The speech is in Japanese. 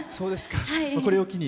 これを機に。